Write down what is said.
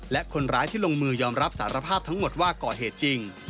และคนร้ายที่ลงมือยอมรับสารภาพทั้งหมดว่าก่อเหตุจริง